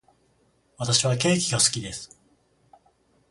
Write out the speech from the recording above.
私はケーキが好きです。